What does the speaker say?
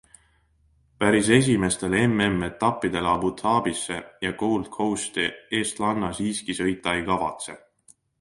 Päris esimestele MM-etappidele Abu Dhabisse ja Gold Coasti eestlanna siiski sõita ei kavatse.